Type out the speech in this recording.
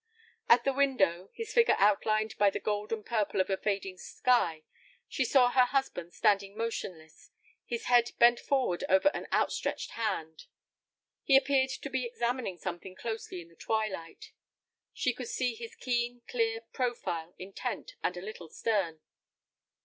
At the window, his figure outlined by the gold and purple of a fading sky, she saw her husband standing motionless, his head bent forward over an out stretched hand. He appeared to be examining something closely in the twilight. She could see his keen, clear profile, intent and a little stern.